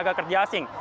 tenaga kerja asing